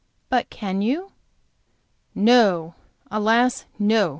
"But can you?" "No, alas, no.